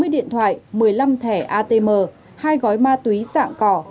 hai mươi điện thoại một mươi năm thẻ atm hai gói ma túy sạng cỏ